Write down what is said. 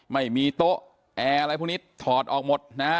ไม่มีโต๊ะแอร์อะไรพวกนี้ถอดออกหมดนะฮะ